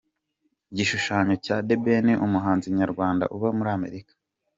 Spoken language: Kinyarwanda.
Igishushanyo cya The Ben, umuhanzi nyarwanda uba muri Amerika.